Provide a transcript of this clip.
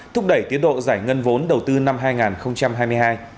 thúc đẩy tiến độ giải ngân vốn đầu tư năm hai nghìn hai mươi hai